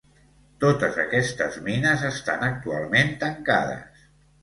Totes aquestes mines estan actualment tancades.